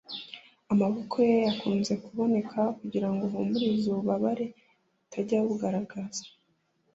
amaboko ye yakunze kuboneka kugirango ahumurize ububabare butajya bugaragaza